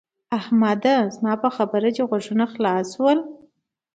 احمده! زما په خبره دې غوږونه خلاص شول؟